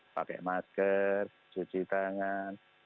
pakai masker cuci tangan